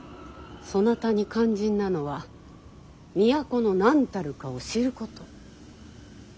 そなたに肝心なのは都の何たるかを知ること。